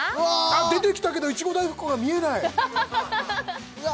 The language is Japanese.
出てきたけどいちご大福が見えないうわ